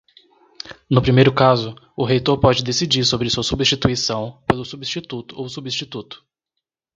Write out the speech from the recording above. No primeiro caso, o reitor pode decidir sobre sua substituição pelo substituto ou substituto.